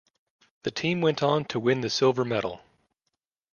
The team went on to win the silver medal.